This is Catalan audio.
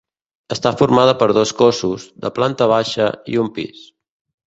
Està formada per dos cossos, de planta baixa i un pis.